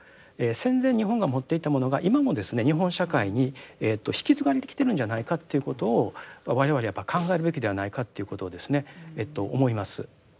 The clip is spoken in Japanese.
戦前日本が持っていたものが今もですね日本社会に引き継がれてきているんじゃないかっていうことを我々はやっぱり考えるべきではないかっていうことをですね思います。